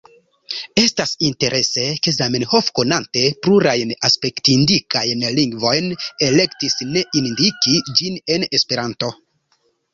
Estas interese ke Zamenhof, konante plurajn aspektindikajn lingvojn, elektis ne indiki ĝin en Esperanto.